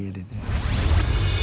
untuk kemah ligai